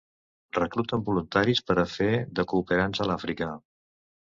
Recluten voluntaris per a fer de cooperants a l'Àfrica.